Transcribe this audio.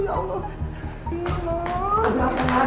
bangun bangun bangun